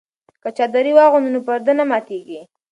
که چادري واغوندو نو پرده نه ماتیږي.